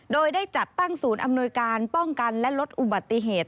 โดยได้จัดตั้งศูนย์อำนวยการป้องกันและลดอุบัติเหตุ